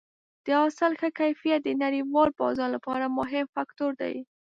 د حاصل ښه کیفیت د نړیوال بازار لپاره مهم فاکتور دی.